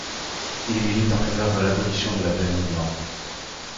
Il milite en faveur de l'abolition de la peine de mort.